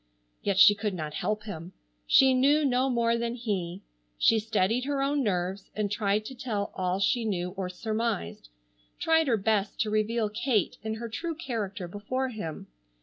Yet she could not help him. She knew no more than he. She steadied her own nerves and tried to tell all she knew or surmised, tried her best to reveal Kate in her true character before him.